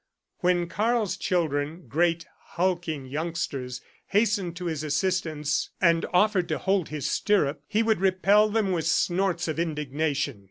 When Karl's children, great hulking youngsters, hastened to his assistance and offered to hold his stirrup, he would repel them with snorts of indignation.